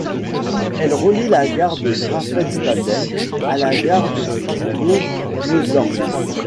Elle relie la gare de Graffenstaden à la gare de Strasbourg-Neudorf.